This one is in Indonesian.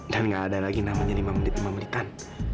dan gak ada lagi namanya lima menit lima menitan